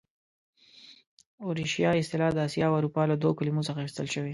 اوریشیا اصطلاح د اسیا او اروپا له دوو کلمو څخه اخیستل شوې.